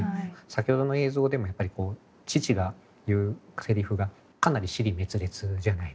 先ほどの映像でもやっぱりこう父が言うセリフがかなり支離滅裂じゃないですか。